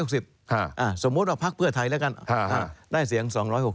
สมมุติว่าพักเพื่อไทยแล้วกันได้เสียง๒๖๐